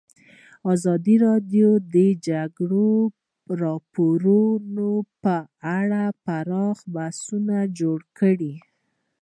ازادي راډیو د د جګړې راپورونه په اړه پراخ بحثونه جوړ کړي.